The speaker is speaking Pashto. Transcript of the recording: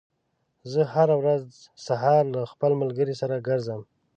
زه هره ورځ سهار له خپل ملګري سره ګرځم.